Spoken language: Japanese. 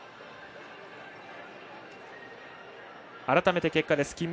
改めて、結果です。